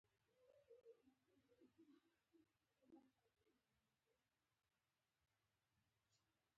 علم له ذهني محدودیتونو خلاصون دی.